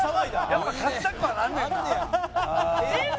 やっぱ勝ちたくはなんねんな。